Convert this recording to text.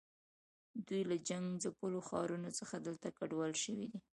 دوی له جنګ ځپلو ښارونو څخه دلته کډوال شوي دي.